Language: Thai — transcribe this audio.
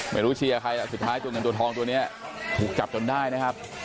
เชียร์ใครสุดท้ายตัวเงินตัวทองตัวนี้ถูกจับจนได้นะครับ